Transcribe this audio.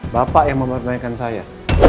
bapak yang mempermainkan saya